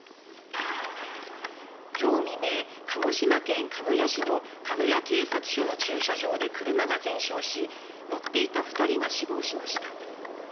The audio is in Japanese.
今日未明、鹿児島県鹿屋市の鹿屋警察署の駐車場で車が全焼し乗っていた２人が死亡しました。